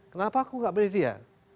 kenapa aku gak milih dia